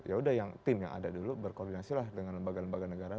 yaudah tim yang ada dulu berkoordinasi dengan lembaga lembaga negara